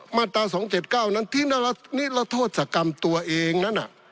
มาตรา๒๗๙นั้นทิ้งนิรโทษกรรมตัวเองนั้น